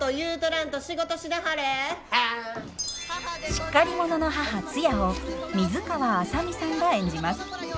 しっかり者の母ツヤを水川あさみさんが演じます。